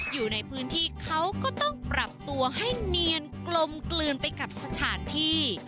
อยู่ในพื้นที่เขาก็ต้องปรับตัวให้เนียนกลมกลืนไปกับสถานที่